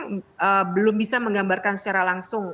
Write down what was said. kita sekarang belum bisa menggambarkan secara langsung